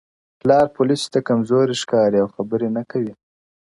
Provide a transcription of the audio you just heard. • پلار پوليسو ته کمزوری ښکاري او خبري نه کوي,